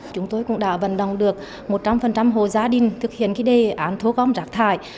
chúng tôi cũng đã vận động được một trăm linh hồ gia đình thực hiện cái đề án thu gom rác thải